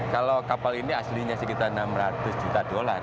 kalau kapal ini aslinya sekitar enam ratus juta dolar